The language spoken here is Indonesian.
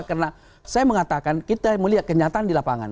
karena saya mengatakan kita melihat kenyataan di lapangan